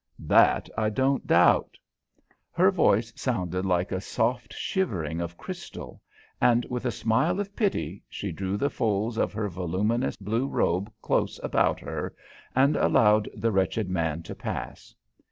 "That I don't doubt!" Her voice sounded like a soft shivering of crystal, and with a smile of pity she drew the folds of her voluminous blue robe close about her and allowed the wretched man to pass.